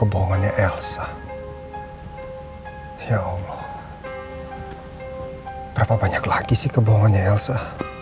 berapa banyak lagi sih kebohongannya elsa